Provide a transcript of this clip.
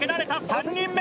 ３人目！